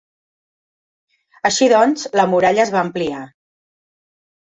Així doncs, la muralla es va ampliar.